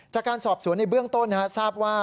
จากการสอบสวนในเบื้องต้นทราบว่า